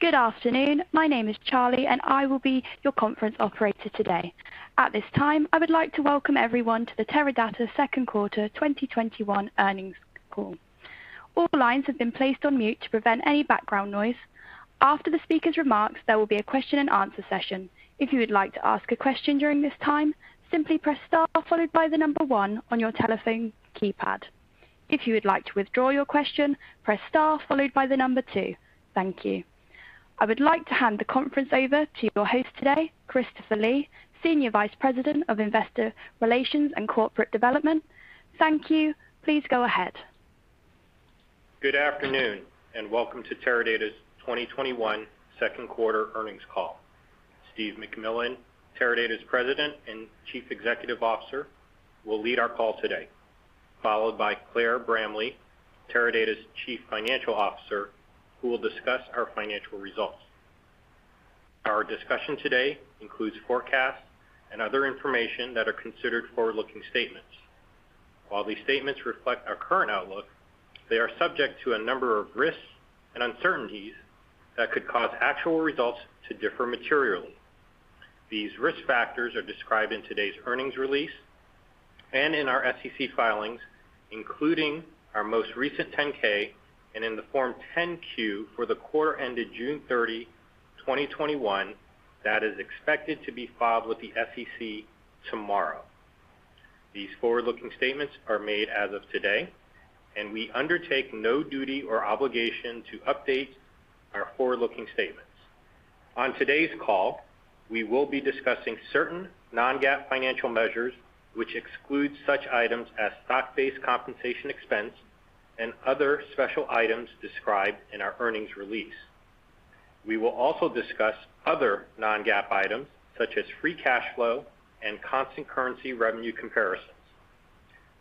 Good afternoon. My name is Charlie, and I will be your conference operator today. I would like to hand the conference over to your host today, Christopher Lee, Senior Vice President of Investor Relations and Corporate Development. Thank you. Please go ahead. Good afternoon, and welcome to Teradata's 2021 Second Quarter Earnings Call. Steve McMillan, Teradata's President and Chief Executive Officer, will lead our call today, followed by Claire Bramley, Teradata's Chief Financial Officer, who will discuss our financial results. Our discussion today includes forecasts and other information that are considered forward-looking statements. While these statements reflect our current outlook, they are subject to a number of risks and uncertainties that could cause actual results to differ materially. These risk factors are described in today's earnings release and in our SEC filings, including our most recent 10-K and in the Form 10-Q for the quarter ended June 30, 2021, that is expected to be filed with the SEC tomorrow. These forward-looking statements are made as of today, and we undertake no duty or obligation to update our forward-looking statements. On today's call, we will be discussing certain non-GAAP financial measures, which exclude such items as stock-based compensation expense and other special items described in our earnings release. We will also discuss other non-GAAP items such as free cash flow and constant currency revenue comparisons.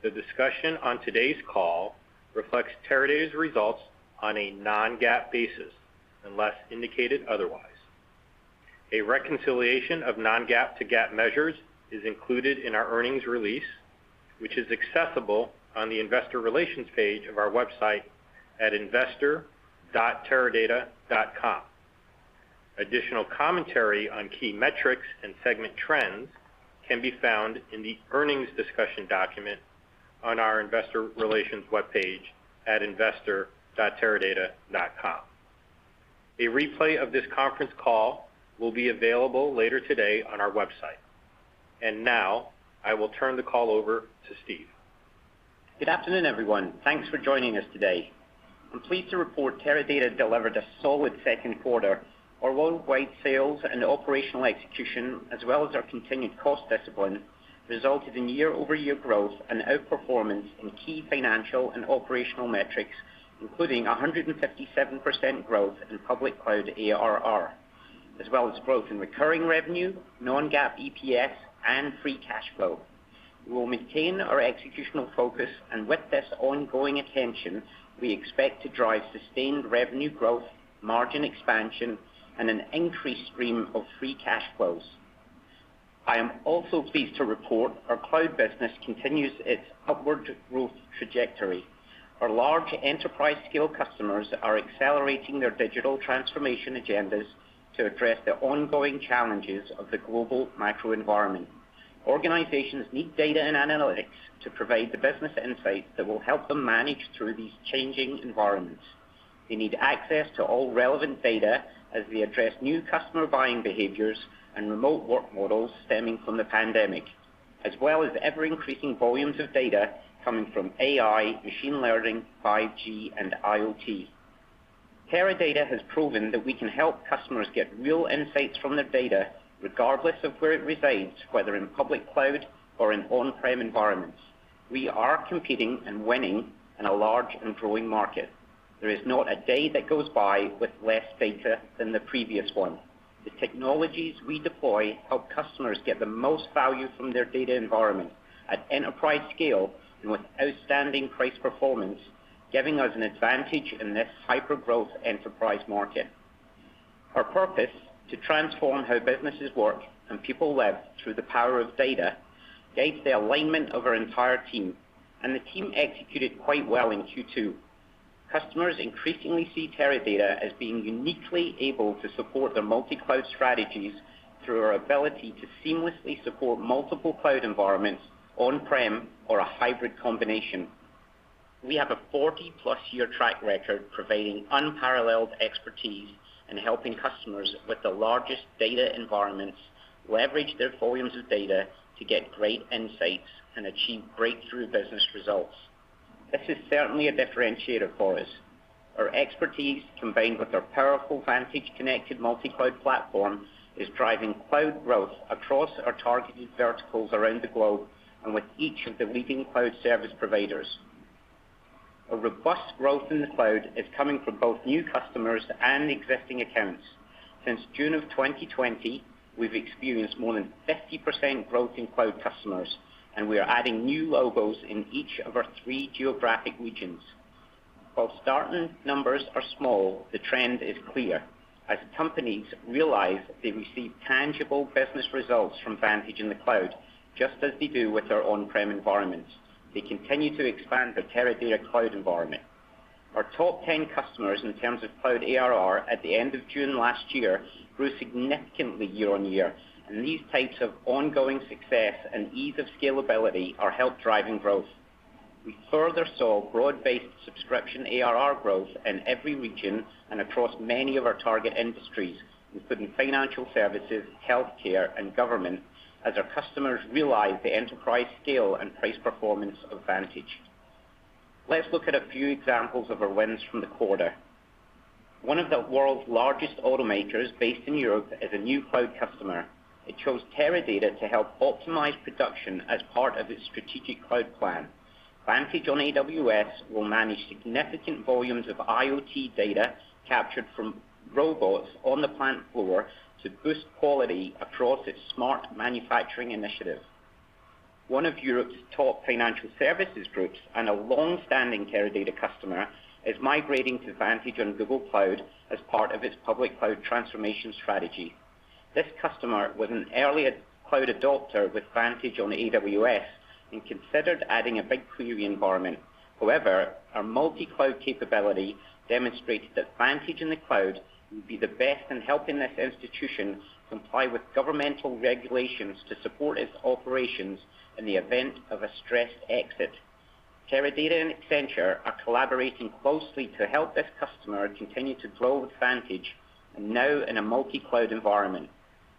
The discussion on today's call reflects Teradata's results on a non-GAAP basis, unless indicated otherwise. A reconciliation of non-GAAP to GAAP measures is included in our earnings release, which is accessible on the investor relations page of our website at investor.teradata.com. Additional commentary on key metrics and segment trends can be found in the earnings discussion document on our investor relations webpage at investor.teradata.com. A replay of this conference call will be available later today on our website. Now, I will turn the call over to Steve. Good afternoon, everyone. Thanks for joining us today. I am pleased to report Teradata delivered a solid second quarter. Our worldwide sales and operational execution, as well as our continued cost discipline, resulted in year-over-year growth and outperformance in key financial and operational metrics, including 157% growth in public cloud ARR, as well as growth in recurring revenue, non-GAAP EPS, and free cash flow. We will maintain our executional focus, and with this ongoing attention, we expect to drive sustained revenue growth, margin expansion, and an increased stream of free cash flows. I am also pleased to report our cloud business continues its upward growth trajectory. Our large enterprise-scale customers are accelerating their digital transformation agendas to address the ongoing challenges of the global macro environment. Organizations need data and analytics to provide the business insights that will help them manage through these changing environments. They need access to all relevant data as they address new customer buying behaviors and remote work models stemming from the pandemic, as well as ever-increasing volumes of data coming from AI, machine learning, 5G, and IoT. Teradata has proven that we can help customers get real insights from their data regardless of where it resides, whether in public cloud or in on-prem environments. We are competing and winning in a large and growing market. There is not a day that goes by with less data than the previous one. The technologies we deploy help customers get the most value from their data environment at enterprise scale and with outstanding price performance, giving us an advantage in this hypergrowth enterprise market. Our purpose to transform how businesses work and people live through the power of data guides the alignment of our entire team, and the team executed quite well in Q2. Customers increasingly see Teradata as being uniquely able to support their multi-cloud strategies through our ability to seamlessly support multiple cloud environments on-prem or a hybrid combination. We have a 40-plus year track record providing unparalleled expertise in helping customers with the largest data environments leverage their volumes of data to get great insights and achieve breakthrough business results. This is certainly a differentiator for us. Our expertise, combined with our powerful Vantage connected multi-cloud platform, is driving cloud growth across our targeted verticals around the globe and with each of the leading cloud service providers. A robust growth in the cloud is coming from both new customers and existing accounts. Since June of 2020, we've experienced more than 50% growth in cloud customers, and we are adding new logos in each of our three geographic regions. While starting numbers are small, the trend is clear. As companies realize they receive tangible business results from Vantage in the cloud, just as they do with their on-prem environments, they continue to expand their Teradata cloud environment. Our top 10 customers in terms of cloud ARR at the end of June last year grew significantly year-on-year, and these types of ongoing success and ease of scalability are help driving growth. We further saw broad-based subscription ARR growth in every region and across many of our target industries, including financial services, healthcare, and government, as our customers realize the enterprise scale and price performance of Vantage. Let's look at a few examples of our wins from the quarter. One of the world's largest automakers based in Europe is a new cloud customer. It chose Teradata to help optimize production as part of its strategic cloud plan. Vantage on AWS will manage significant volumes of IoT data captured from robots on the plant floor to boost quality across its smart manufacturing initiative. One of Europe's top financial services groups and a long-standing Teradata customer is migrating to Vantage on Google Cloud as part of its public cloud transformation strategy. This customer was an early cloud adopter with Vantage on AWS and considered adding a BigQuery environment. However, our multi-cloud capability demonstrated that Vantage in the cloud would be the best in helping this institution comply with governmental regulations to support its operations in the event of a stressed exit. Teradata and Accenture are collaborating closely to help this customer continue to grow with Vantage and now in a multi-cloud environment.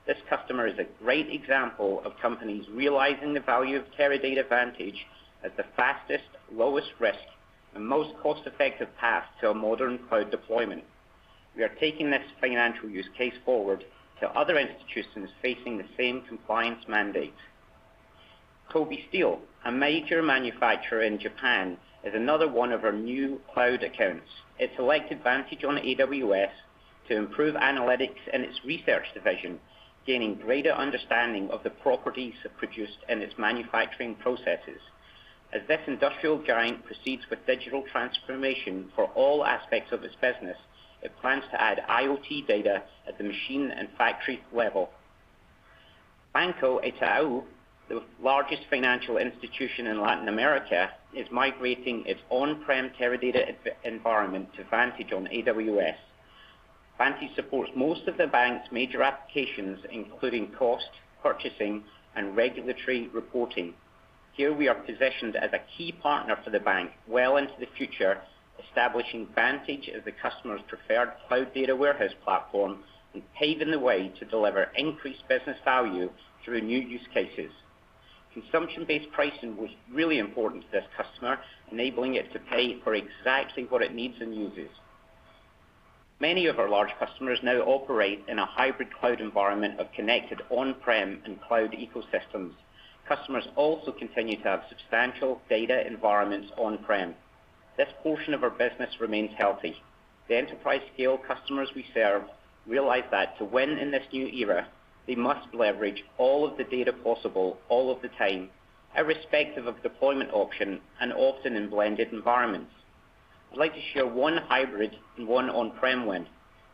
This customer is a great example of companies realizing the value of Teradata Vantage as the fastest, lowest risk, and most cost-effective path to a modern cloud deployment. We are taking this financial use case forward to other institutions facing the same compliance mandate. Kobe Steel, a major manufacturer in Japan, is another one of our new cloud accounts. It selected Vantage on AWS to improve analytics in its research division, gaining greater understanding of the properties it produced in its manufacturing processes. As this industrial giant proceeds with digital transformation for all aspects of its business, it plans to add IoT data at the machine and factory level. Banco Itaú, the largest financial institution in Latin America, is migrating its on-prem Teradata environment to Vantage on AWS. Vantage supports most of the bank's major applications, including cost, purchasing, and regulatory reporting. Here we are positioned as a key partner for the bank well into the future, establishing Vantage as the customer's preferred cloud data warehouse platform and paving the way to deliver increased business value through new use cases. Consumption-based pricing was really important to this customer, enabling it to pay for exactly what it needs and uses. Many of our large customers now operate in a hybrid cloud environment of connected on-prem and cloud ecosystems. Customers also continue to have substantial data environments on-prem. This portion of our business remains healthy. The enterprise scale customers we serve realize that to win in this new era, they must leverage all of the data possible, all of the time, irrespective of deployment option and often in blended environments. I'd like to share one hybrid and one on-prem win.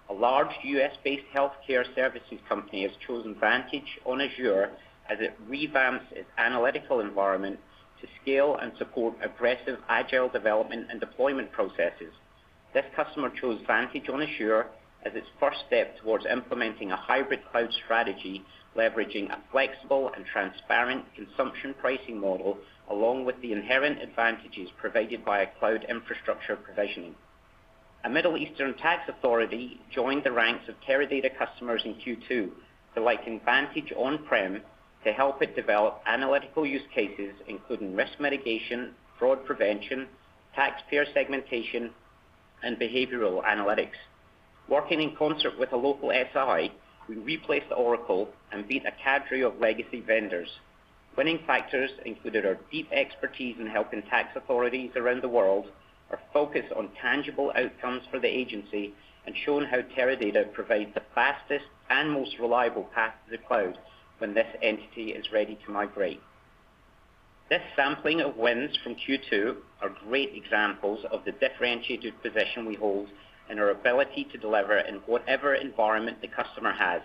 A large U.S.-based healthcare services company has chosen Vantage on Azure as it revamps its analytical environment to scale and support aggressive agile development and deployment processes. This customer chose Vantage on Azure as its first step towards implementing a hybrid cloud strategy, leveraging a flexible and transparent consumption pricing model, along with the inherent advantages provided by a cloud infrastructure provisioning. A Middle Eastern tax authority joined the ranks of Teradata customers in Q2, selecting Vantage on-prem to help it develop analytical use cases, including risk mitigation, fraud prevention, taxpayer segmentation, and behavioral analytics. Working in concert with a local SI, we replaced Oracle and beat a cadre of legacy vendors. Winning factors included our deep expertise in helping tax authorities around the world, our focus on tangible outcomes for the agency, and showing how Teradata provides the fastest and most reliable path to the cloud when this entity is ready to migrate. This sampling of wins from Q2 are great examples of the differentiated position we hold and our ability to deliver in whatever environment the customer has,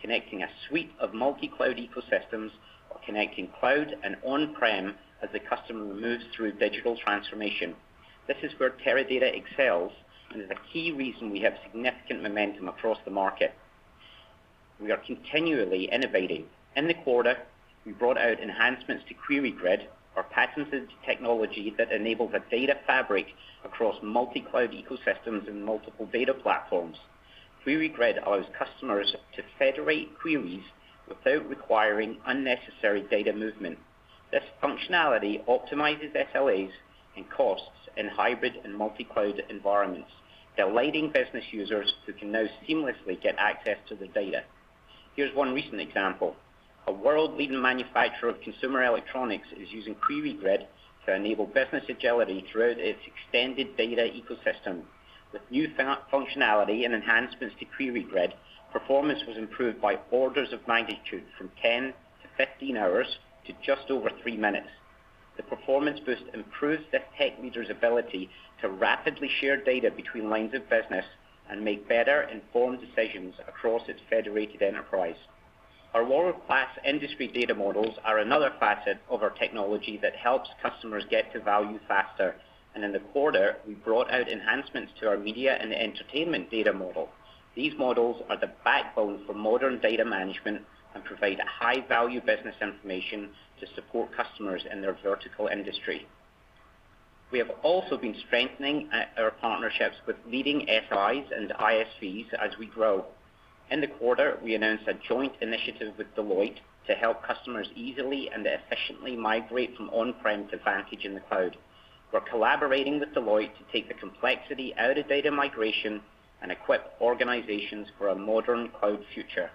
connecting a suite of multi-cloud ecosystems or connecting cloud and on-prem as the customer moves through digital transformation. This is where Teradata excels and is a key reason we have significant momentum across the market. We are continually innovating. In the quarter, we brought out enhancements to QueryGrid, our patented technology that enables a data fabric across multi-cloud ecosystems and multiple data platforms. QueryGrid allows customers to federate queries without requiring unnecessary data movement. This functionality optimizes SLAs and costs in hybrid and multi-cloud environments, delighting business users who can now seamlessly get access to the data. Here's one recent example. A world-leading manufacturer of consumer electronics is using QueryGrid to enable business agility throughout its extended data ecosystem. With new functionality and enhancements to QueryGrid, performance was improved by orders of magnitude from 10-15 hours to just over three minutes. The performance boost improves this tech leader's ability to rapidly share data between lines of business and make better informed decisions across its federated enterprise. Our world-class industry data models are another facet of our technology that helps customers get to value faster. In the quarter, we brought out enhancements to our media and entertainment data model. These models are the backbone for modern data management and provide high-value business information to support customers in their vertical industry. We have also been strengthening our partnerships with leading SIs and ISVs as we grow. In the quarter, we announced a joint initiative with Deloitte to help customers easily and efficiently migrate from on-prem to Vantage in the cloud. We're collaborating with Deloitte to take the complexity out of data migration and equip organizations for a modern cloud future.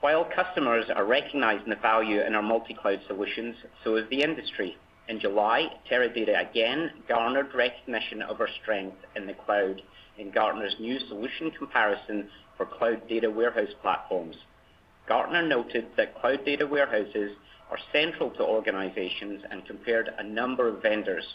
While customers are recognizing the value in our multi-cloud solutions, so is the industry. In July, Teradata again garnered recognition of our strength in the cloud in Gartner's new solution comparison for cloud data warehouse platforms. Gartner noted that cloud data warehouses are central to organizations and compared a number of vendors.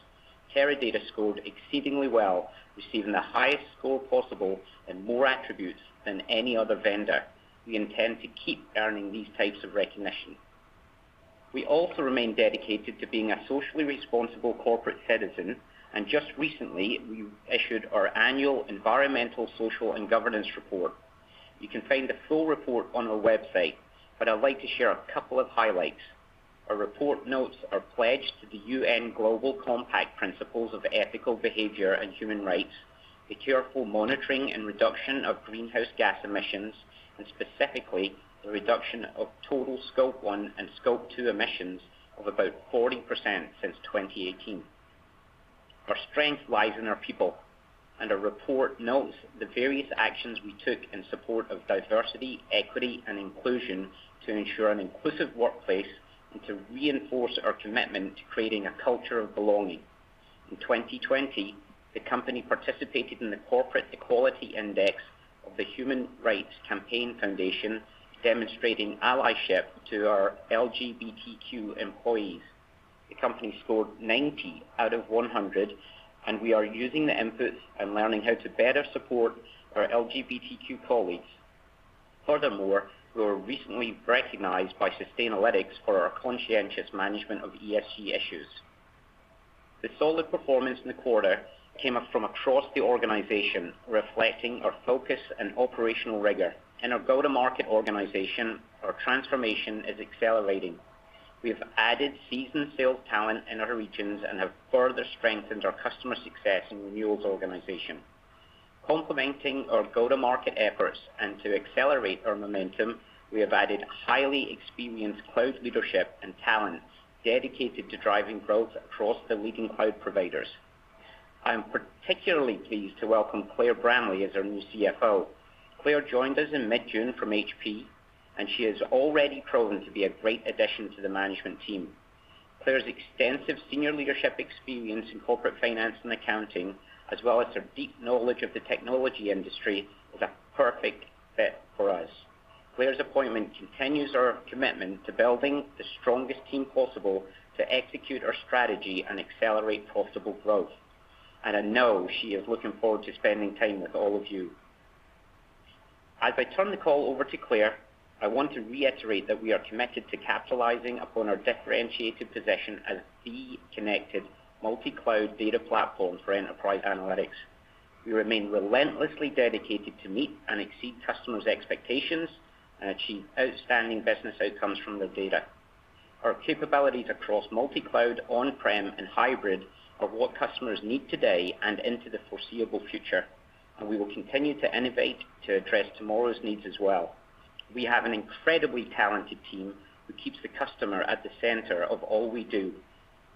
Teradata scored exceedingly well, receiving the highest score possible in more attributes than any other vendor. We intend to keep earning these types of recognition. We also remain dedicated to being a socially responsible corporate citizen, and just recently, we issued our annual environmental, social, and governance report. You can find the full report on our website, but I'd like to share a couple of highlights. Our report notes our pledge to the UN Global Compact principles of ethical behavior and human rights, the careful monitoring and reduction of greenhouse gas emissions, and specifically, the reduction of total Scope 1 and Scope 2 emissions of about 40% since 2018. Our strength lies in our people, and our report notes the various actions we took in support of diversity, equity, and inclusion to ensure an inclusive workplace and to reinforce our commitment to creating a culture of belonging. In 2020, the company participated in the Corporate Equality Index of the Human Rights Campaign Foundation, demonstrating allyship to our LGBTQ employees. The company scored 90 out of 100, and we are using the inputs and learning how to better support our LGBTQ colleagues. Furthermore, we were recently recognized by Sustainalytics for our conscientious management of ESG issues. The solid performance in the quarter came up from across the organization, reflecting our focus and operational rigor. In our go-to-market organization, our transformation is accelerating. We have added seasoned sales talent in our regions and have further strengthened our customer success and renewals organization. Complementing our go-to-market efforts and to accelerate our momentum, we have added highly experienced cloud leadership and talent dedicated to driving growth across the leading cloud providers. I am particularly pleased to welcome Claire Bramley as our new CFO. Claire joined us in mid-June from HP, and she has already proven to be a great addition to the management team. Claire's extensive senior leadership experience in corporate finance and accounting, as well as her deep knowledge of the technology industry, is a perfect fit for us. Claire's appointment continues our commitment to building the strongest team possible to execute our strategy and accelerate profitable growth. I know she is looking forward to spending time with all of you. As I turn the call over to Claire, I want to reiterate that we are committed to capitalizing upon our differentiated position as the connected multi-cloud data platform for enterprise analytics. We remain relentlessly dedicated to meet and exceed customers' expectations and achieve outstanding business outcomes from their data. Our capabilities across multi-cloud, on-prem, and hybrid are what customers need today and into the foreseeable future, and we will continue to innovate to address tomorrow's needs as well. We have an incredibly talented team who keeps the customer at the center of all we do.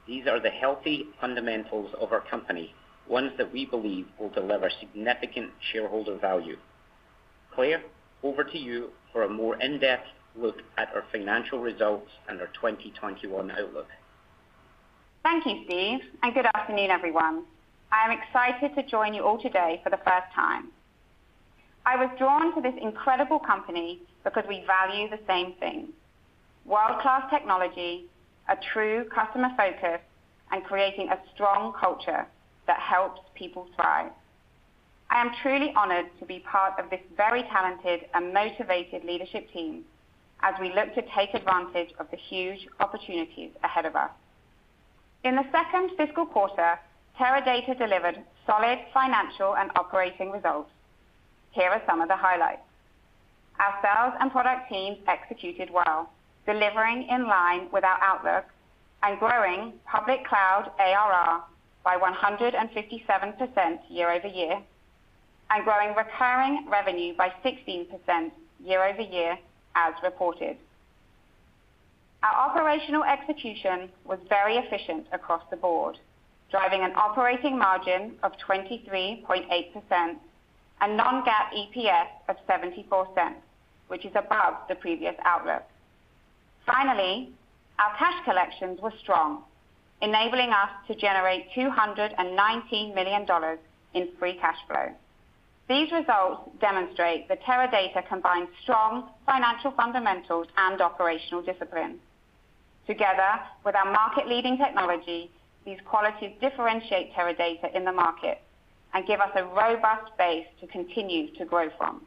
These are the healthy fundamentals of our company, ones that we believe will deliver significant shareholder value. Claire, over to you for a more in-depth look at our financial results and our 2021 outlook. Thank you, Steve, and good afternoon, everyone. I am excited to join you all today for the first time. I was drawn to this incredible company because we value the same things, world-class technology, a true customer focus, and creating a strong culture that helps people thrive. I am truly honored to be part of this very talented and motivated leadership team as we look to take advantage of the huge opportunities ahead of us. In the second fiscal quarter, Teradata delivered solid financial and operating results. Here are some of the highlights. Our sales and product teams executed well, delivering in line with our outlook and growing public cloud ARR by 157% year-over-year, and growing recurring revenue by 16% year-over-year as reported. Our operational execution was very efficient across the board, driving an operating margin of 23.8% and non-GAAP EPS of $0.74, which is above the previous outlook. Our cash collections were strong, enabling us to generate $219 million in free cash flow. These results demonstrate that Teradata combines strong financial fundamentals and operational discipline. Together with our market leading technology, these qualities differentiate Teradata in the market and give us a robust base to continue to grow from.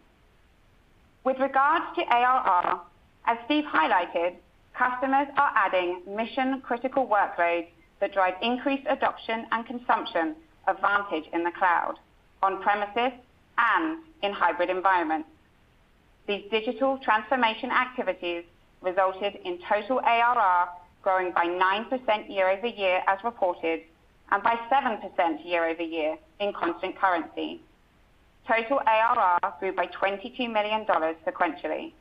With regards to ARR, as Steve highlighted, customers are adding mission critical workloads that drive increased adoption and consumption of Vantage in the cloud, on premises, and in hybrid environments. These digital transformation activities resulted in total ARR growing by 9% year-over-year as reported, and by 7% year-over-year in constant currency. Total ARR grew by $22 million sequentially.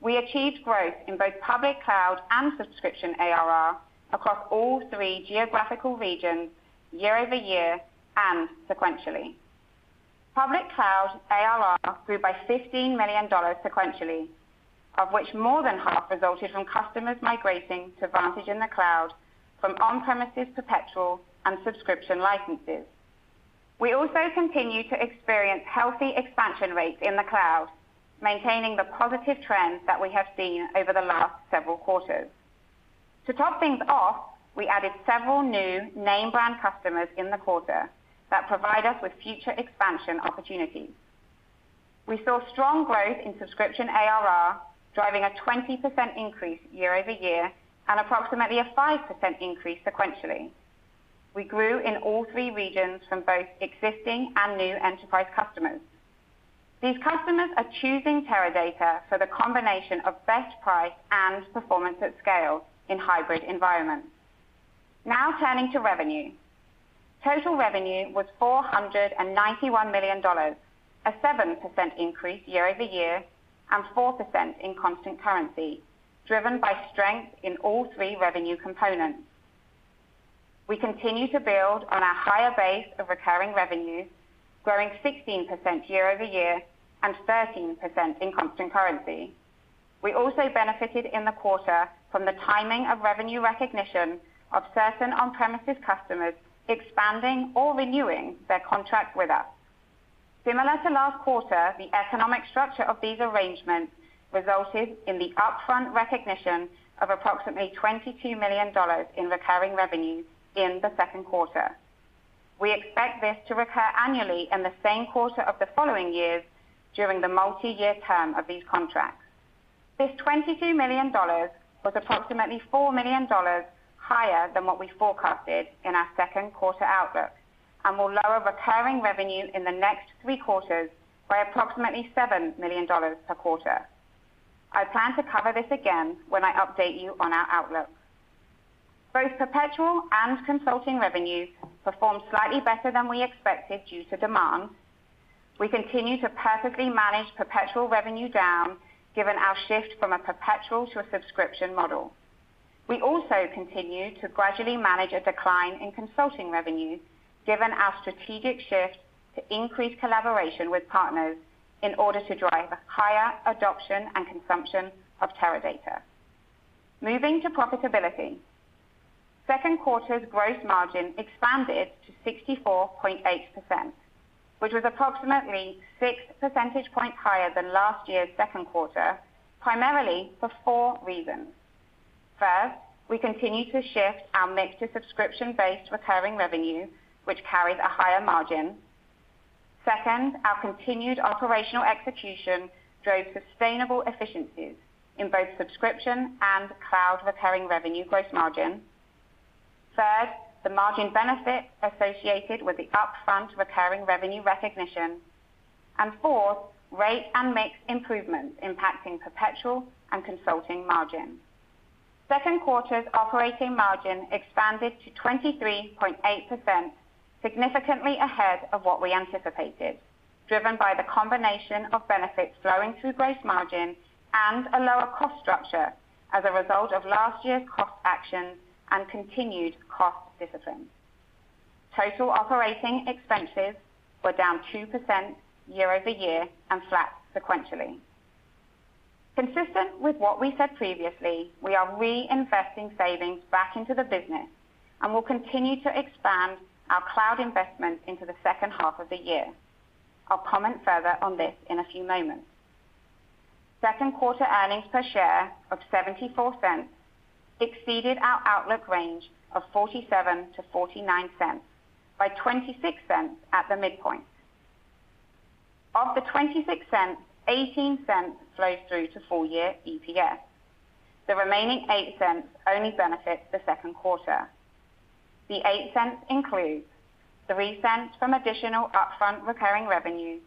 We achieved growth in both public cloud and subscription ARR across all three geographical regions year over year and sequentially. Public cloud ARR grew by $15 million sequentially, of which more than half resulted from customers migrating to Vantage in the cloud from on-premises perpetual and subscription licenses. We also continue to experience healthy expansion rates in the cloud, maintaining the positive trends that we have seen over the last several quarters. To top things off, we added several new name brand customers in the quarter that provide us with future expansion opportunities. We saw strong growth in subscription ARR, driving a 20% increase year over year, and approximately a 5% increase sequentially. We grew in all three regions from both existing and new enterprise customers. These customers are choosing Teradata for the combination of best price and performance at scale in hybrid environments. Now turning to revenue. Total revenue was $491 million, a 7% increase year-over-year, and 4% in constant currency, driven by strength in all three revenue components. We continue to build on our higher base of recurring revenue, growing 16% year-over-year and 13% in constant currency. We also benefited in the quarter from the timing of revenue recognition of certain on-premises customers expanding or renewing their contract with us. Similar to last quarter, the economic structure of these arrangements resulted in the upfront recognition of approximately $22 million in recurring revenues in the second quarter. We expect this to recur annually in the same quarter of the following years during the multi-year term of these contracts. This $22 million was approximately $4 million higher than what we forecasted in our second quarter outlook and will lower recurring revenue in the next three quarters by approximately $7 million per quarter. I plan to cover this again when I update you on our outlook. Both perpetual and consulting revenues performed slightly better than we expected due to demand. We continue to perfectly manage perpetual revenue down given our shift from a perpetual to a subscription model. We also continue to gradually manage a decline in consulting revenue, given our strategic shift to increase collaboration with partners in order to drive higher adoption and consumption of Teradata. Moving to profitability. Second quarter's gross margin expanded to 64.8%, which was approximately six percentage points higher than last year's second quarter, primarily for four reasons. First, we continue to shift our mix to subscription-based recurring revenue, which carries a higher margin. Second, our continued operational execution drove sustainable efficiencies in both subscription and cloud recurring revenue gross margin. Third, the margin benefit associated with the upfront recurring revenue recognition. Fourth, rate and mix improvements impacting perpetual and consulting margins. Second quarter's operating margin expanded to 23.8%, significantly ahead of what we anticipated, driven by the combination of benefits flowing through gross margin and a lower cost structure as a result of last year's cost actions and continued cost discipline. Total operating expenses were down 2% year-over-year and flat sequentially. Consistent with what we said previously, we are reinvesting savings back into the business and will continue to expand our cloud investments into the second half of the year. I'll comment further on this in a few moments. Second quarter earnings per share of $0.74 exceeded our outlook range of $0.47-$0.49 by $0.26 at the midpoint. Of the $0.26, $0.18 flows through to full year EPS. The remaining $0.08 only benefits the second quarter. The $0.08 includes $0.03 from additional upfront recurring revenue,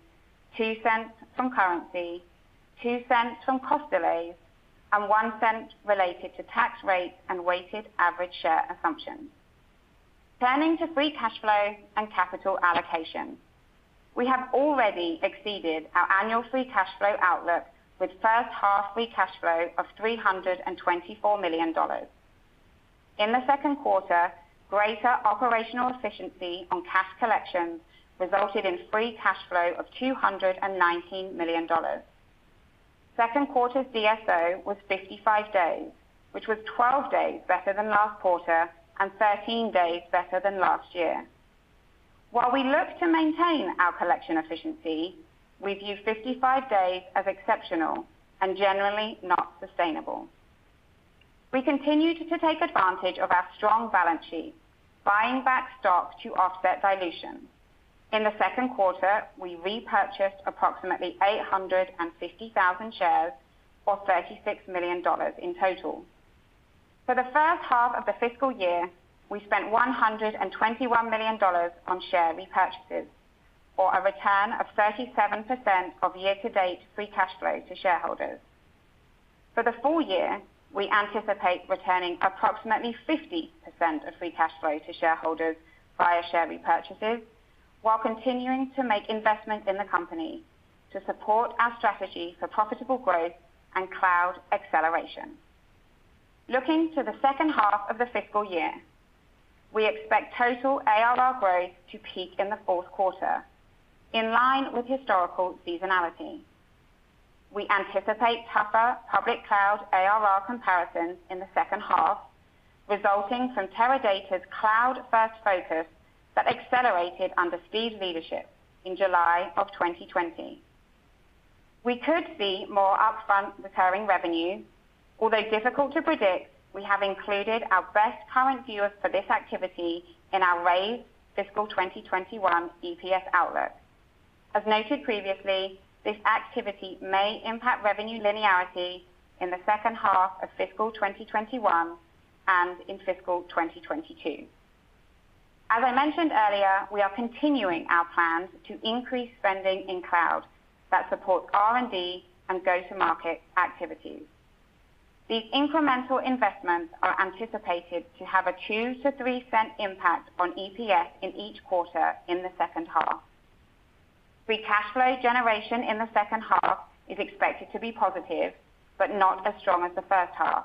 $0.02 from currency, $0.02 from cost delays, and $0.01 related to tax rates and weighted average share assumptions. Turning to free cash flow and capital allocation. We have already exceeded our annual free cash flow outlook with first half free cash flow of $324 million. In the second quarter, greater operational efficiency on cash collections resulted in free cash flow of $219 million. Second quarter's DSO was 55 days, which was 12 days better than last quarter and 13 days better than last year. While we look to maintain our collection efficiency, we view 55 days as exceptional and generally not sustainable. We continue to take advantage of our strong balance sheet, buying back stock to offset dilution. In the second quarter, we repurchased approximately 850,000 shares, or $36 million in total. For the first half of the fiscal year, we spent $121 million on share repurchases, or a return of 37% of year-to-date free cash flow to shareholders. For the full year, we anticipate returning approximately 50% of free cash flow to shareholders via share repurchases, while continuing to make investments in the company to support our strategy for profitable growth and cloud acceleration. Looking to the second half of the fiscal year, we expect total ARR growth to peak in the fourth quarter, in line with historical seasonality. We anticipate tougher public cloud ARR comparisons in the second half, resulting from Teradata's cloud-first focus that accelerated under Steve's leadership in July of 2020. We could see more upfront recurring revenue. Although difficult to predict, we have included our best current views for this activity in our raised fiscal 2021 EPS outlook. As noted previously, this activity may impact revenue linearity in the second half of fiscal 2021 and in fiscal 2022. As I mentioned earlier, we are continuing our plans to increase spending in cloud that support R&D and go-to-market activities. These incremental investments are anticipated to have a $0.02-$0.03 impact on EPS in each quarter in the second half. Free cash flow generation in the second half is expected to be positive, but not as strong as the first half.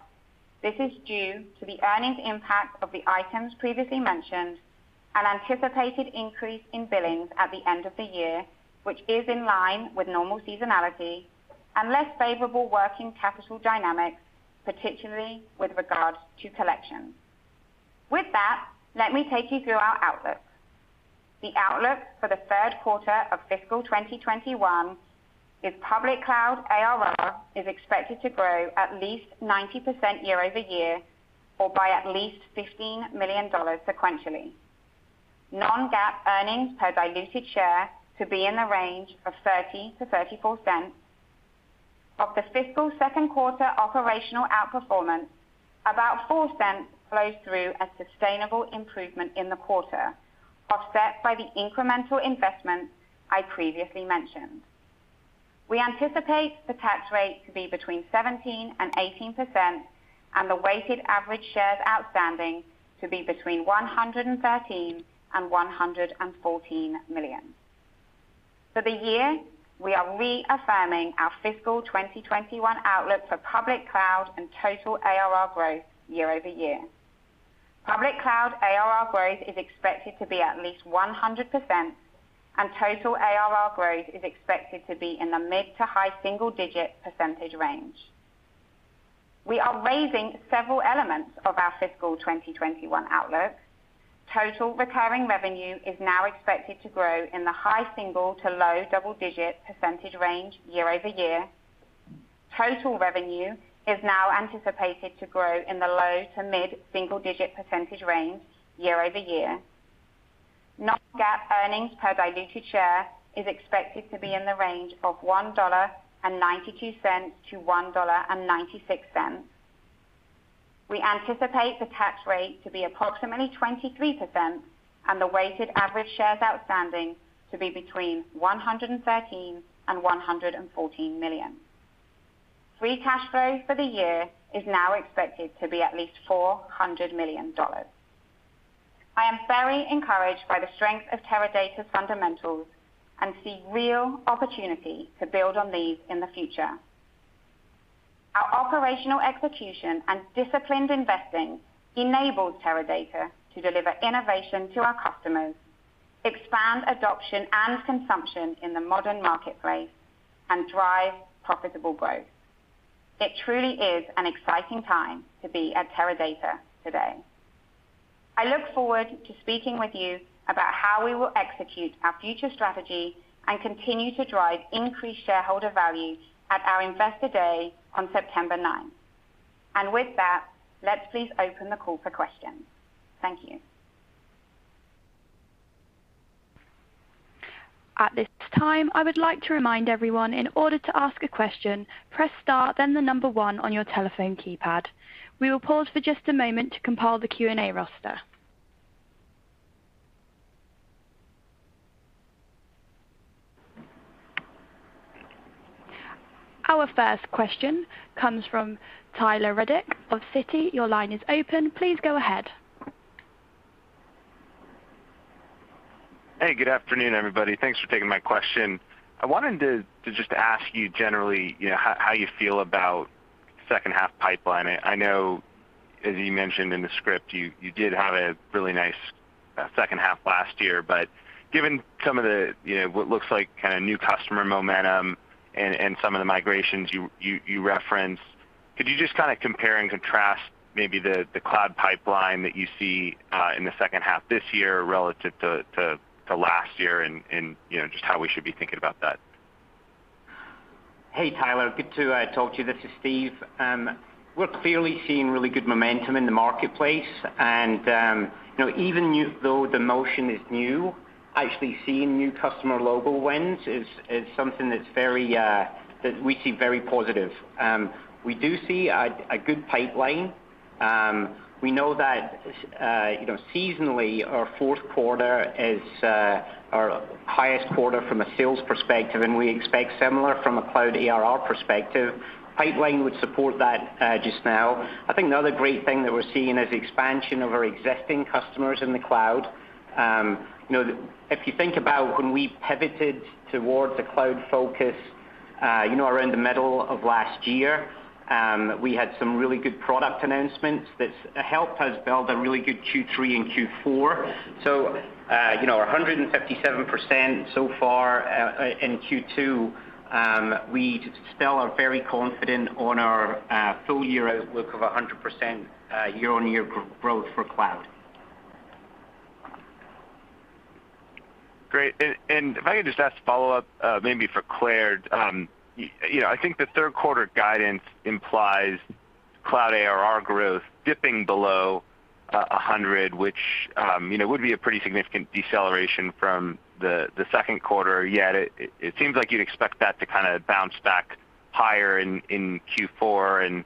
This is due to the earnings impact of the items previously mentioned, an anticipated increase in billings at the end of the year, which is in line with normal seasonality, and less favorable working capital dynamics, particularly with regard to collections. With that, let me take you through our outlook. The outlook for the third quarter of fiscal 2021 is public cloud ARR is expected to grow at least 90% year-over-year, or by at least $15 million sequentially. non-GAAP earnings per diluted share to be in the range of $0.30-$0.34. Of the fiscal second quarter operational outperformance, about $0.04 flows through as sustainable improvement in the quarter, offset by the incremental investments I previously mentioned. We anticipate the tax rate to be between 17%-18%, and the weighted average shares outstanding to be between 113 million-114 million. For the year, we are reaffirming our fiscal 2021 outlook for public cloud and total ARR growth year-over-year. Public cloud ARR growth is expected to be at least 100%, and total ARR growth is expected to be in the mid to high single-digit percentage range. We are raising several elements of our fiscal 2021 outlook. Total recurring revenue is now expected to grow in the high single- to low double-digit percentage range year-over-year. Total revenue is now anticipated to grow in the low to mid single-digit percentage range year-over-year. Non-GAAP earnings per diluted share is expected to be in the range of $1.92-$1.96. We anticipate the tax rate to be approximately 23%, and the weighted average shares outstanding to be between 113 and 114 million. Free cash flow for the year is now expected to be at least $400 million. I am very encouraged by the strength of Teradata's fundamentals and see real opportunity to build on these in the future. Our operational execution and disciplined investing enables Teradata to deliver innovation to our customers, expand adoption and consumption in the modern marketplace, and drive profitable growth. It truly is an exciting time to be at Teradata today. I look forward to speaking with you about how we will execute our future strategy and continue to drive increased shareholder value at our Investor Day on September 9th. With that, let's please open the call for questions. Thank you. At this time, I would like to remind everyone. Our first question comes from Tyler Radke of Citi. Your line is open. Please go ahead. Hey, good afternoon, everybody. Thanks for taking my question. I wanted to just ask you generally how you feel about second half pipeline. I know, as you mentioned in the script, you did have a really nice second half last year, but given some of what looks like new customer momentum and some of the migrations you referenced, could you just kind of compare and contrast maybe the cloud pipeline that you see in the second half this year relative to last year and just how we should be thinking about that? Hey, Tyler. Good to talk to you. This is Steve. We're clearly seeing really good momentum in the marketplace. Even though the motion is new, actually seeing new customer logo wins is something that we see very positive. We do see a good pipeline. We know that, seasonally, our fourth quarter is our highest quarter from a sales perspective, and we expect similar from a cloud ARR perspective. Pipeline would support that just now. I think the other great thing that we're seeing is the expansion of our existing customers in the cloud. If you think about when we pivoted towards a cloud focus, around the middle of last year, we had some really good product announcements that's helped us build a really good Q3 and Q4. Our 157% so far, in Q2, we still are very confident on our full-year outlook of 100% year-on-year growth for cloud. Great. If I could just ask a follow-up, maybe for Claire. I think the third quarter guidance implies cloud ARR growth dipping below 100%, which would be a pretty significant deceleration from the second quarter. Yet it seems like you'd expect that to kind of bounce back higher in Q4.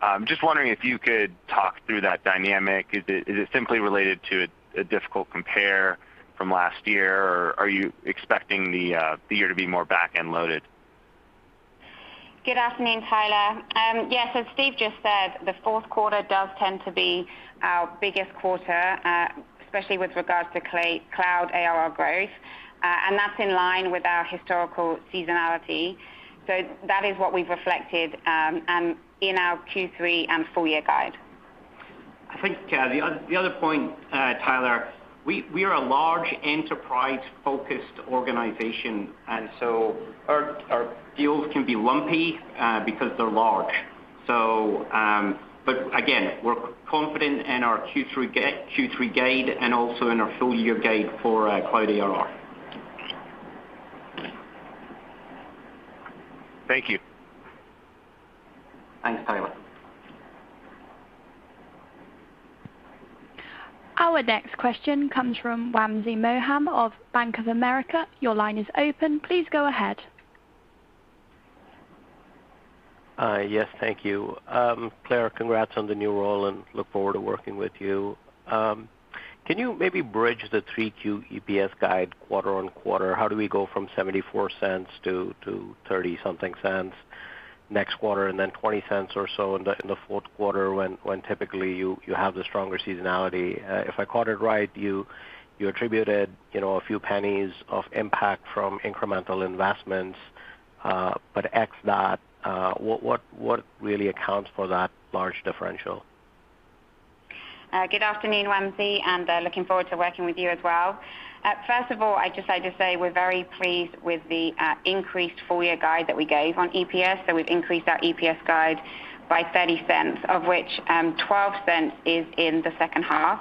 I'm just wondering if you could talk through that dynamic. Is it simply related to a difficult compare from last year, or are you expecting the year to be more back and loaded? Good afternoon, Tyler. Yeah, Steve just said the fourth quarter does tend to be our biggest quarter, especially with regards to cloud ARR growth. That's in line with our historical seasonality. That is what we've reflected in our Q3 and full year guide. I think the other point, Tyler, we are a large enterprise-focused organization, and so our deals can be lumpy because they're large. Again, we're confident in our Q3 guide and also in our full-year guide for cloud ARR. Thank you. Thanks, Tyler. Our next question comes from Wamsi Mohan of Bank of America. Your line is open. Please go ahead. Yes, thank you. Claire, congrats on the new role and look forward to working with you. Can you maybe bridge the 3Q EPS guide quarter on quarter? How do we go from $0.74 - $0.30 something next quarter and then $0.20 or so in the fourth quarter when typically you have the stronger seasonality? If I caught it right, you attributed a few pennies of impact from incremental investments. X that, what really accounts for that large differential? Good afternoon, Wamsi Mohan, and looking forward to working with you as well. First of all, I'd just like to say we're very pleased with the increased full-year guide that we gave on EPS. We've increased our EPS guide by $0.30, of which, $0.12 is in the second half.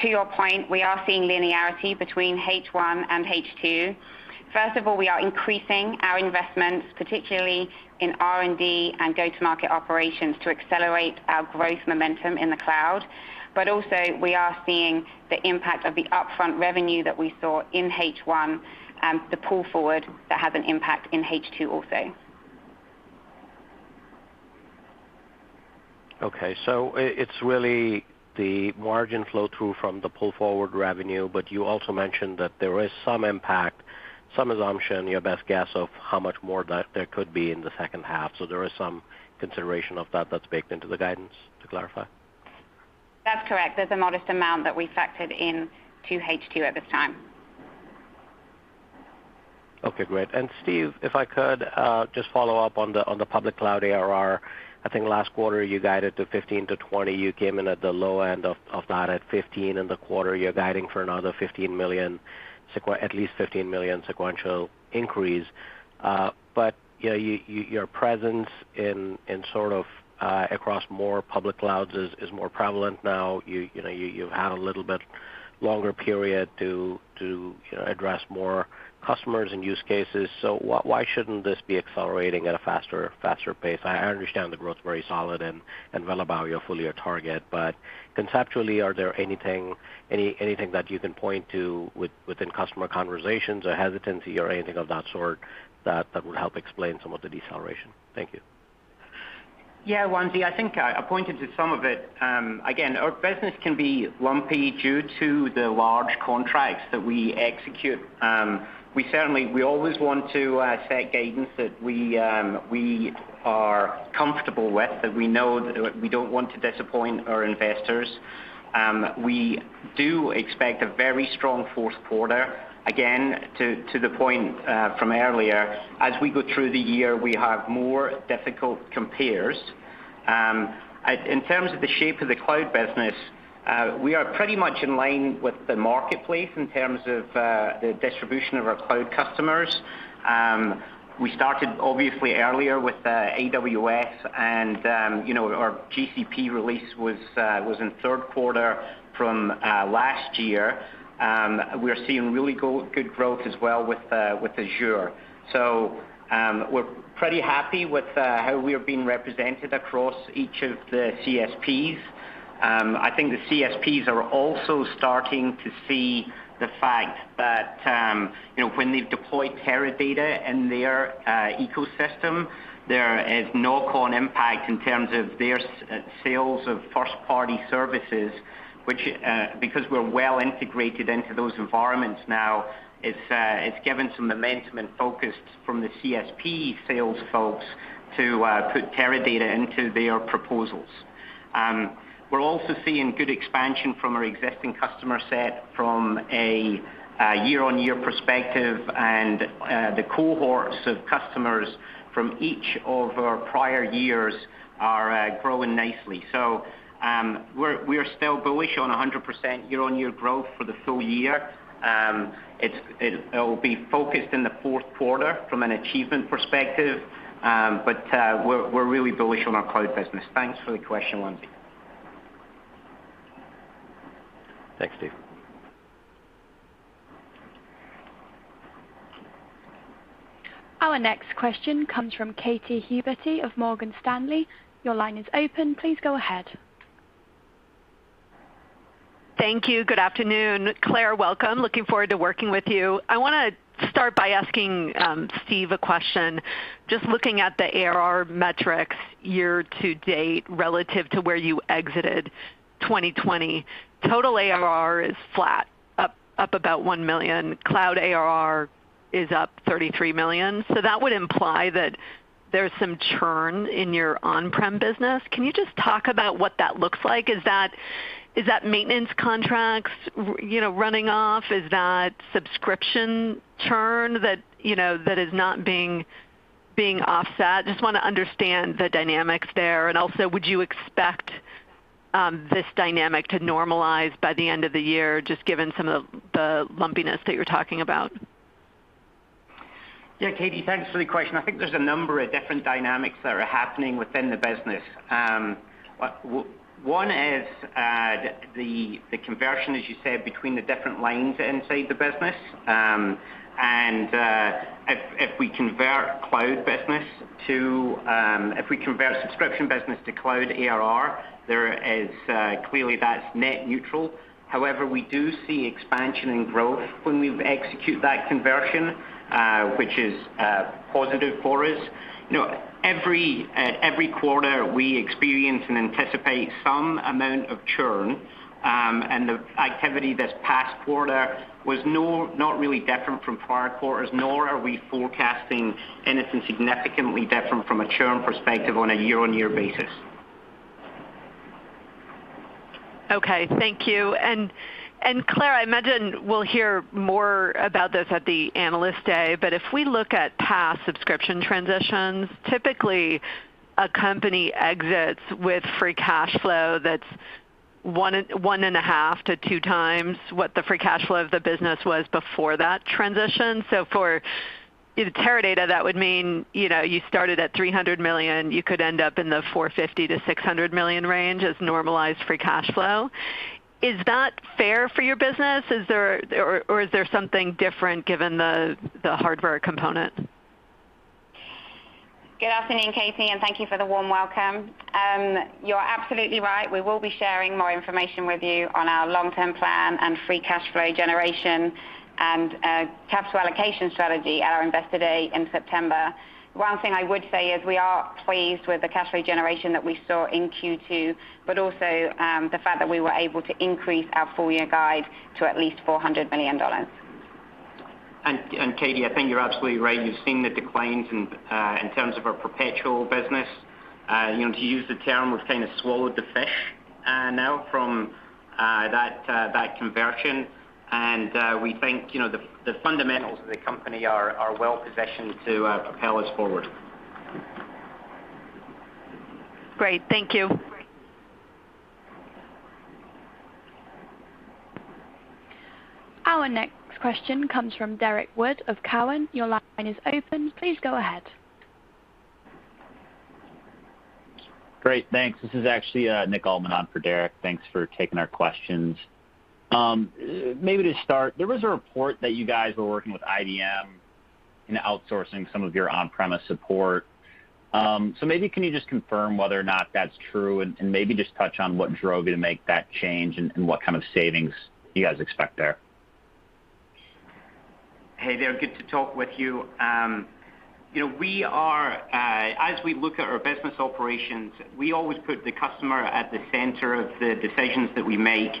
To your point, we are seeing linearity between H1 and H2. First of all, we are increasing our investments, particularly in R&D and go-to-market operations to accelerate our growth momentum in the cloud. Also we are seeing the impact of the upfront revenue that we saw in H1, the pull forward that has an impact in H2 also. It's really the margin flow through from the pull-forward revenue, but you also mentioned that there is some impact, some assumption, your best guess of how much more that there could be in the second half. There is some consideration of that that's baked into the guidance to clarify? That's correct. There's a modest amount that we factored in to H2 at this time. Okay, great. Steve, if I could just follow up on the public cloud ARR. I think last quarter you guided to $15 million-$20 million. You came in at the low end of that at $15 million. In the quarter, you're guiding for another at least $15 million sequential increase. Your presence in sort of across more public clouds is more prevalent now. You've had a little bit longer period to address more customers and use cases. Why shouldn't this be accelerating at a faster pace? I understand the growth is very solid and well above your full-year target. Conceptually, are there anything that you can point to within customer conversations or hesitancy or anything of that sort that would help explain some of the deceleration? Thank you. Yeah, Wamsi. I think I pointed to some of it. Again, our business can be lumpy due to the large contracts that we execute. We certainly, we always want to set guidance that we are comfortable with, that we know that we don't want to disappoint our investors. We do expect a very strong fourth quarter. To the point from earlier, as we go through the year, we have more difficult compares. In terms of the shape of the cloud business. We are pretty much in line with the marketplace in terms of the distribution of our cloud customers. We started obviously earlier with AWS, our GCP release was in third quarter from last year. We're seeing really good growth as well with Azure. We're pretty happy with how we are being represented across each of the CSPs. I think the CSPs are also starting to see the fact that when they've deployed Teradata in their ecosystem, there is no core impact in terms of their sales of first-party services, which, because we're well integrated into those environments now, it's given some momentum and focus from the CSP sales folks to put Teradata into their proposals. We're also seeing good expansion from our existing customer set from a year-on-year perspective, and the cohorts of customers from each of our prior years are growing nicely. We're still bullish on 100% year-on-year growth for the full year. It'll be focused in the fourth quarter from an achievement perspective, we're really bullish on our cloud business. Thanks for the question, Wamsi. Thanks, Steve. Our next question comes from Katy Huberty of Morgan Stanley. Your line is open. Please go ahead. Thank you. Good afternoon. Claire, welcome. Looking forward to working with you. I want to start by asking Steve a question. Just looking at the ARR metrics year to date relative to where you exited 2020, total ARR is flat, up about $1 million. Cloud ARR is up $33 million. That would imply that there's some churn in your on-prem business. Can you just talk about what that looks like? Is that maintenance contracts running off? Is that subscription churn that is not being offset? Just want to understand the dynamics there, and also, would you expect this dynamic to normalize by the end of the year, just given some of the lumpiness that you're talking about? Katy, thanks for the question. I think there's a number of different dynamics that are happening within the business. One is the conversion, as you said, between the different lines inside the business. If we convert subscription business to cloud ARR, clearly that's net neutral. However, we do see expansion and growth when we execute that conversion, which is positive for us. Every quarter, we experience and anticipate some amount of churn, and the activity this past quarter was not really different from prior quarters, nor are we forecasting anything significantly different from a churn perspective on a year-on-year basis. Okay. Thank you. Claire, I imagine we'll hear more about this at the Analyst Day, if we look at past subscription transitions, typically a company exits with free cash flow that's one and a half to 2x what the free cash flow of the business was before that transition. For Teradata, that would mean you started at $300 million, you could end up in the $450 million-$600 million range as normalized free cash flow. Is that fair for your business? Is there something different given the hardware component? Good afternoon, Katy, and thank you for the warm welcome. You're absolutely right. We will be sharing more information with you on our long-term plan and free cash flow generation and capital allocation strategy at our Investor Day in September. One thing I would say is we are pleased with the cash flow generation that we saw in Q2, but also the fact that we were able to increase our full year guide to at least $400 million. Katy, I think you're absolutely right. You've seen the declines in terms of our perpetual business. To use the term, we've kind of swallowed the fish now from that conversion, and we think the fundamentals of the company are well-positioned to propel us forward. Great. Thank you. Our next question comes from Derrick Wood of Cowen. Your line is open. Please go ahead. Great, thanks. This is actually Nick Altmann on for Derek. Thanks for taking our questions. Maybe to start, there was a report that you guys were working with IBM in outsourcing some of your on-premise support. Can you just confirm whether or not that's true, and maybe just touch on what drove you to make that change and what kind of savings you guys expect there? Hey there, good to talk with you. As we look at our business operations, we always put the customer at the center of the decisions that we make,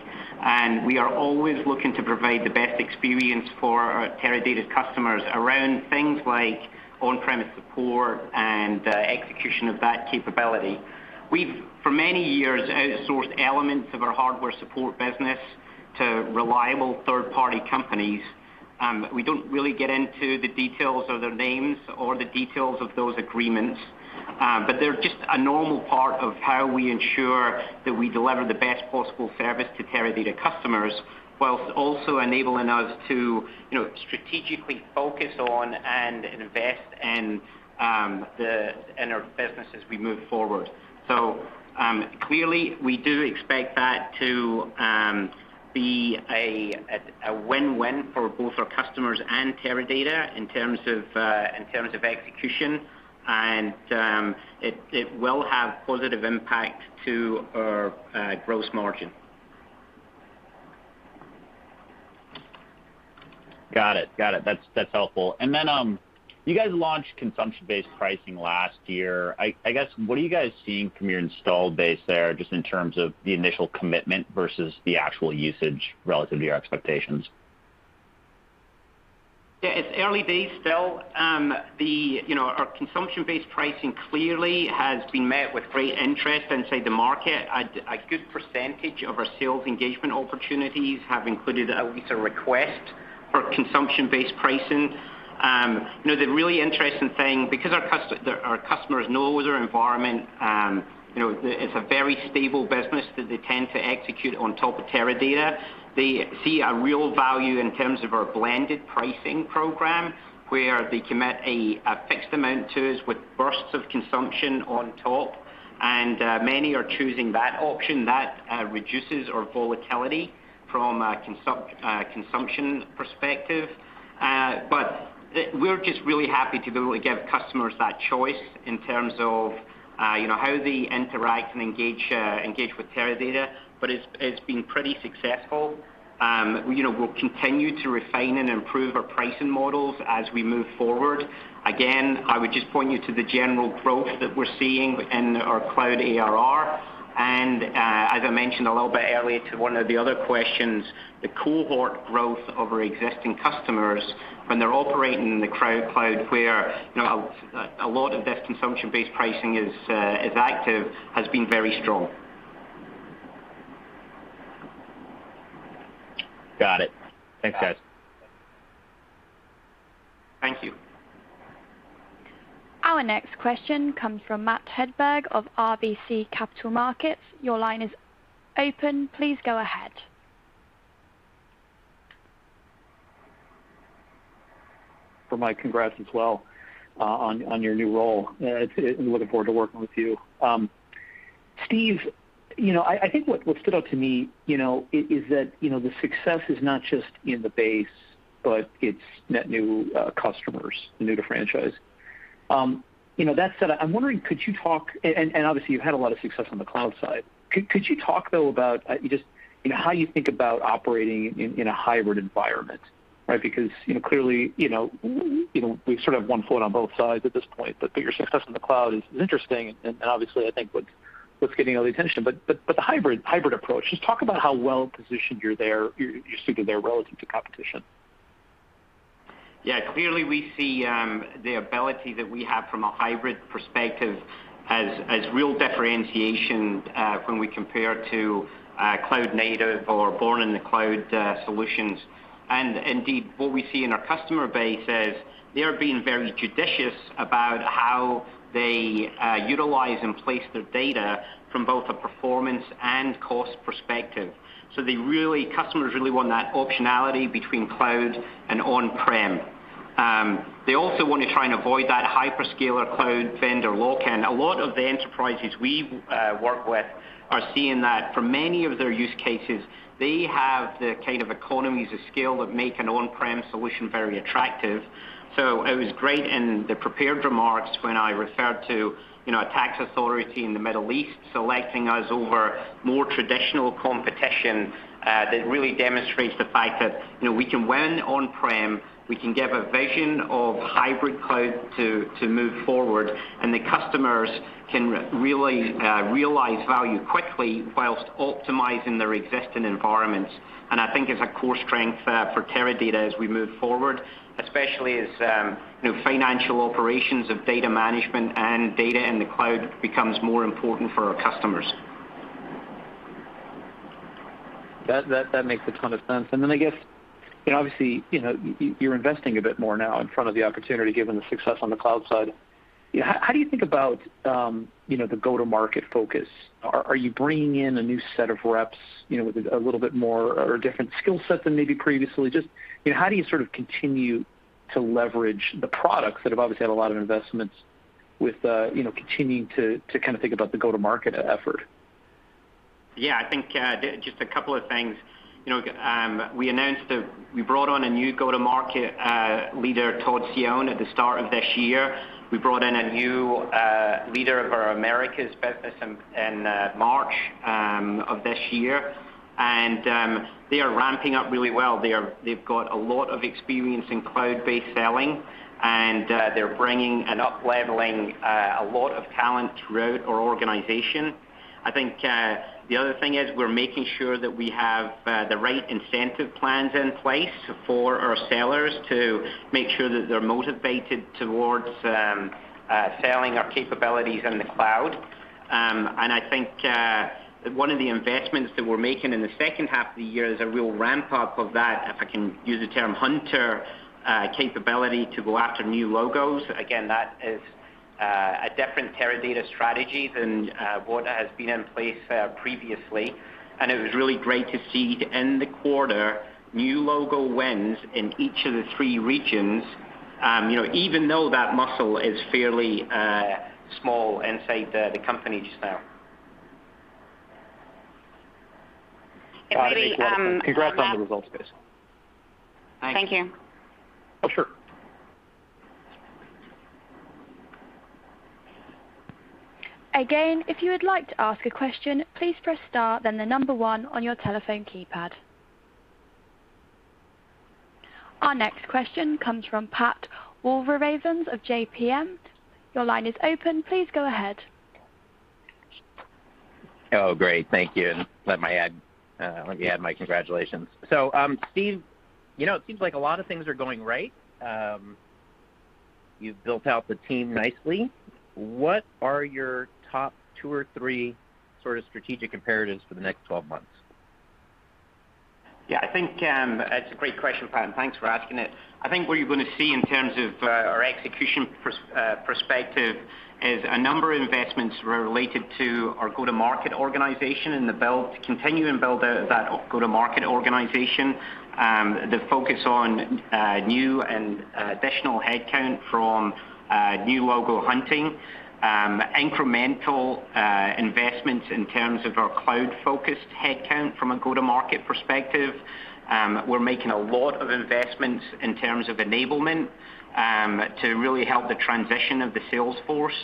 and we are always looking to provide the best experience for our Teradata customers around things like on-premise support and execution of that capability. We've, for many years, outsourced elements of our hardware support business to reliable third-party companies. We don't really get into the details of their names or the details of those agreements. They're just a normal part of how we ensure that we deliver the best possible service to Teradata customers, whilst also enabling us to strategically focus on and invest in our business as we move forward. Clearly, we do expect that to be a win-win for both our customers and Teradata in terms of execution, and it will have positive impact to our gross margin. Got it. That's helpful. You guys launched consumption-based pricing last year. I guess, what are you guys seeing from your installed base there, just in terms of the initial commitment versus the actual usage relative to your expectations? Yeah, it's early days still. Our consumption-based pricing clearly has been met with great interest inside the market. A good percentage of our sales engagement opportunities have included at least a request for consumption-based pricing. The really interesting thing, because our customers know their environment, it's a very stable business that they tend to execute on top of Teradata. They see a real value in terms of our blended pricing program, where they commit a fixed amount to us with bursts of consumption on top. Many are choosing that option. That reduces our volatility from a consumption perspective. We're just really happy to be able to give customers that choice in terms of how they interact and engage with Teradata, but it's been pretty successful. We'll continue to refine and improve our pricing models as we move forward. Again, I would just point you to the general growth that we're seeing within our cloud ARR. As I mentioned a little bit earlier to one of the other questions, the cohort growth of our existing customers when they're operating in the cloud, where a lot of this consumption-based pricing is active, has been very strong. Got it. Thanks, guys. Thank you. Our next question comes from Matt Hedberg of RBC Capital Markets. Your line is open. Please go ahead. For Mike, congrats as well on your new role. Looking forward to working with you. Steve, I think what stood out to me is that the success is not just in the base, but it's net new customers, new to franchise. That said, obviously, you've had a lot of success on the cloud side. Could you talk, though, about just how you think about operating in a hybrid environment, right? Clearly, we have one foot on both sides at this point, but your success in the cloud is interesting, and obviously, I think what's getting all the attention. The hybrid approach, just talk about how well-positioned you think you're there relative to competition. Yeah, clearly, we see the ability that we have from a hybrid perspective as real differentiation when we compare to cloud native or born in the cloud solutions. Indeed, what we see in our customer base is they are being very judicious about how they utilize and place their data from both a performance and cost perspective. Customers really want that optionality between cloud and on-prem. They also want to try and avoid that hyperscaler cloud vendor lock-in. A lot of the enterprises we work with are seeing that for many of their use cases, they have the kind of economies of scale that make an on-prem solution very attractive. It was great in the prepared remarks when I referred to a tax authority in the Middle East selecting us over more traditional competition. That really demonstrates the fact that we can win on-prem, we can give a vision of hybrid cloud to move forward, and the customers can realize value quickly whilst optimizing their existing environments. I think it's a core strength for Teradata as we move forward, especially as financial operations of data management and data in the cloud becomes more important for our customers. That makes a ton of sense. I guess, obviously, you're investing a bit more now in front of the opportunity, given the success on the cloud side. How do you think about the go-to-market focus? Are you bringing in a new set of reps with a little bit more or a different skill set than maybe previously? Just how do you sort of continue to leverage the products that have obviously had a lot of investments with continuing to kind of think about the go-to-market effort? Yeah, I think just a couple of things. We announced that we brought on a new go-to-market leader, Todd Cione, at the start of this year. We brought in a new leader of our Americas business in March of this year, they are ramping up really well. They've got a lot of experience in cloud-based selling, and they're bringing and upleveling a lot of talent throughout our organization. I think the other thing is we're making sure that we have the right incentive plans in place for our sellers to make sure that they're motivated towards selling our capabilities in the cloud. I think one of the investments that we're making in the second half of the year is a real ramp-up of that, if I can use the term hunter capability to go after new logos. Again, that is a different Teradata strategy than what has been in place previously, and it was really great to see in the quarter new logo wins in each of the three regions, even though that muscle is fairly small inside the company just now. It really- Great work. Congrats on the results, guys. Thanks. Thank you. Oh, sure. Our next question comes from Pat Walravens of JMP. Your line is open. Please go ahead. Oh, great. Thank you. Let me add my congratulations. Steve, it seems like a lot of things are going right. You've built out the team nicely. What are your top two or three sort of strategic imperatives for the next 12 months? Yeah, I think it's a great question, Pat, and thanks for asking it. I think what you're going to see in terms of our execution perspective is a number of investments related to our go-to-market organization and to continue and build out that go-to-market organization, the focus on new and additional headcount from new logo hunting, incremental investments in terms of our cloud-focused headcount from a go-to-market perspective. We're making a lot of investments in terms of enablement, to really help the transition of the sales force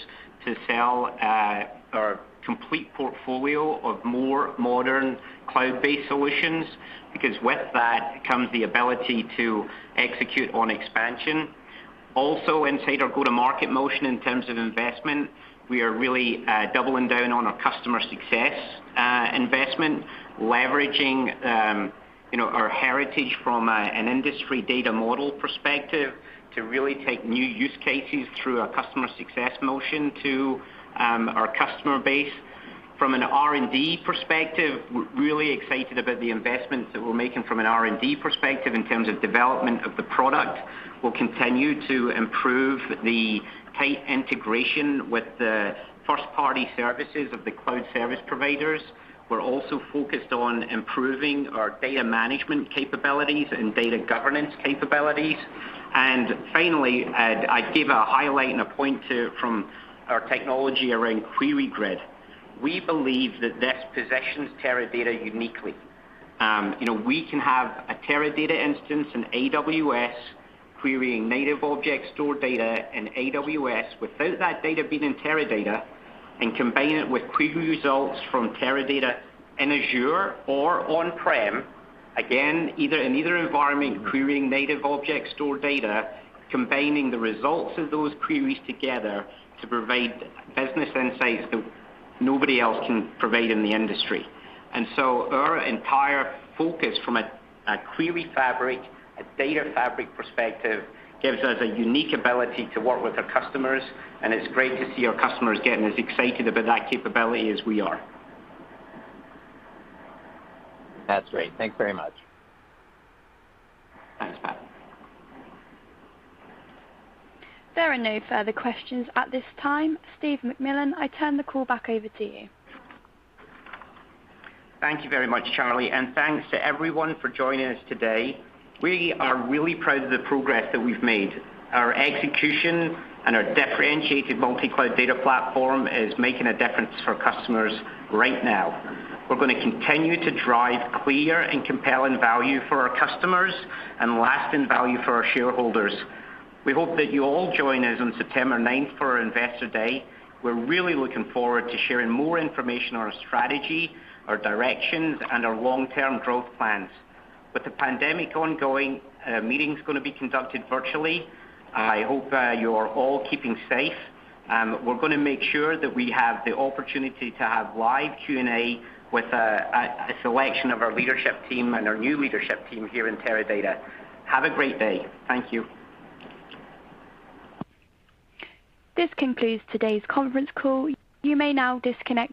to sell our complete portfolio of more modern cloud-based solutions, because with that comes the ability to execute on expansion. Also inside our go-to-market motion, in terms of investment, we are really doubling down on our customer success investment, leveraging our heritage from an industry data model perspective to really take new use cases through our customer success motion to our customer base. From an R&D perspective, we're really excited about the investments that we're making from an R&D perspective in terms of development of the product. We'll continue to improve the tight integration with the first-party services of the cloud service providers. We're also focused on improving our data management capabilities and data governance capabilities. Finally, I'd give a highlight and a point too from our technology around QueryGrid. We believe that this positions Teradata uniquely. We can have a Teradata instance in AWS querying native object store data in AWS without that data being in Teradata, and combine it with query results from Teradata in Azure or on-prem, again, in either environment, querying native object store data, combining the results of those queries together to provide business insights that nobody else can provide in the industry. Our entire focus from a query fabric, a data fabric perspective gives us a unique ability to work with our customers, and it's great to see our customers getting as excited about that capability as we are. That's great. Thanks very much. Thanks, Pat. There are no further questions at this time. Steve McMillan, I turn the call back over to you. Thank you very much, Charlie. Thanks to everyone for joining us today. We are really proud of the progress that we've made. Our execution and our differentiated multi-cloud data platform is making a difference for customers right now. We're going to continue to drive clear and compelling value for our customers and lasting value for our shareholders. We hope that you all join us on September 9th for our Investor Day. We're really looking forward to sharing more information on our strategy, our directions, and our long-term growth plans. With the pandemic ongoing, the meeting's going to be conducted virtually. I hope you're all keeping safe. We're going to make sure that we have the opportunity to have live Q&A with a selection of our leadership team and our new leadership team here in Teradata. Have a great day. Thank you. This concludes today's conference call. You may now disconnect.